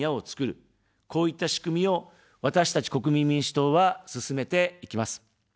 こういった仕組みを、私たち国民民主党は進めていきます。